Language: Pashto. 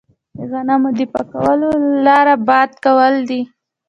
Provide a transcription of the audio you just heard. د غنمو د پاکولو لاره باد کول دي.